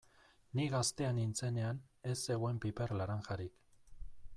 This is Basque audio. Ni gaztea nintzenean ez zegoen piper laranjarik.